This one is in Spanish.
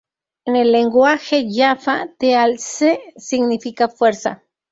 En el lenguaje jaffa, 'Teal'c' significa Fuerza.